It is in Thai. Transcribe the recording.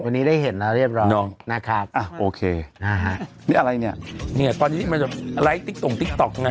วันนี้ได้เห็นแล้วเรียบร้อยนะครับอ่ะโอเคนะฮะนี่อะไรเนี่ยเนี่ยตอนนี้มันจะไลค์ติ๊กตรงติ๊กต๊อกไง